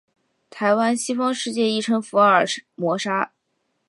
台湾，西方世界亦称福尔摩沙。